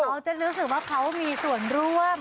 เขาจะรู้สึกว่าเขามีส่วนร่วม